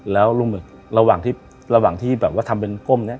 แล้วลุงเหมือนระหว่างที่ระหว่างที่แบบว่าทำเป็นก้มเนี่ย